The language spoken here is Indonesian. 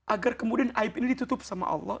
agar kemudian aib ini ditutup sama allah